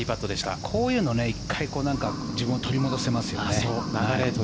こういうの１回自分を取り戻せますよね。